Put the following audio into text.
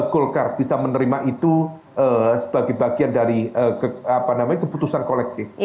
golkar bisa menerima itu sebagai bagian dari keputusan kolektif